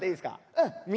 うん。